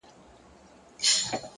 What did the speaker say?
پرمختګ د ځان ارزونې اړتیا لري.